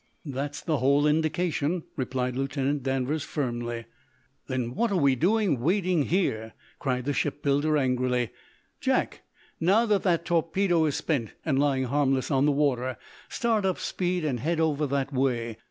"That's the whole indication," replied Lieutenant Danvers, firmly. "Then what are we doing, waiting here?" cried the shipbuilder, angrily. "Jack, now that that torpedo is spent, and lying harmless on the water, start up speed and head over that way.